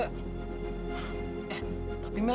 eh tapi mer